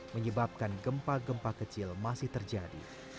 menyebabkan gempa gempa kecil masih terjadi